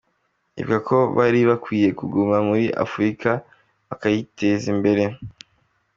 Ivuga ko bari bakwiye kuguma muri Afurika bakayiteza imbere.